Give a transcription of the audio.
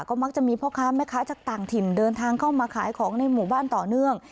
ก็มักจะมีพ่อค้าแม่ค้าจากต่างถิ่นเดินทางเข้ามาขายของในหมู่บ้านต่อเนื่อง